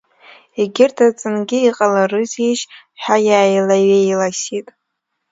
Егьырҭ аҵангьы, иҟаларызеишь ҳәа, иааилаҩеиласит.